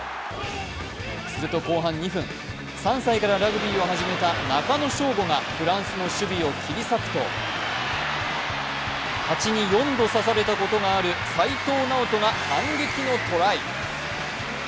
すると後半２分３歳からラグビーを始めた中野将伍がフランスの守備を切り裂くと蜂に４度刺されたことがある齋藤直人が反撃のトライ。